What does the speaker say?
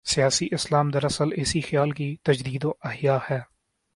'سیاسی اسلام‘ دراصل اسی خیال کی تجدید و احیا ہے۔